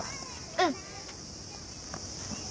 うん。